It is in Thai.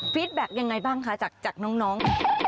ฟีดแบ็คอย่างไรบ้างคะจากน้อง